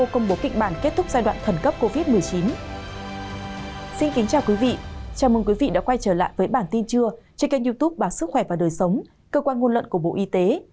chào mừng quý vị đã quay trở lại với bản tin trưa trên kênh youtube bản sức khỏe và đời sống cơ quan ngôn luận của bộ y tế